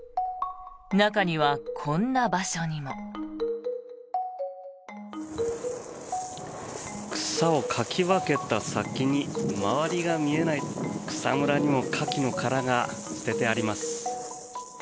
中には、こんな場所にも。草をかき分けた先に周りが見えない草むらにもカキの殻が捨ててあります。